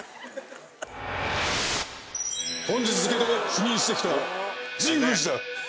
本日付で赴任してきた神宮寺だ。